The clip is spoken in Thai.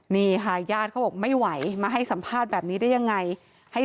นี่ค่ะญาติเขาบอกไม่ไหวมาให้สัมภาษณ์แบบนี้ได้ยังไง